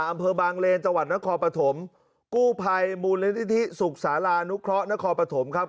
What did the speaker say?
อำเภอบางเลนจังหวัดนครปฐมกู้ภัยมูลนิธิสุขศาลานุเคราะหนครปฐมครับ